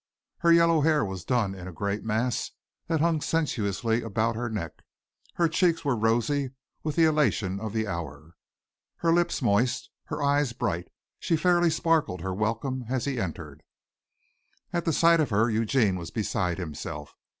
Her yellow hair was done in a great mass that hung sensuously about her neck; her cheeks were rosy with the elation of the hour; her lips moist; her eyes bright. She fairly sparkled her welcome as he entered. At the sight of her Eugene was beside himself.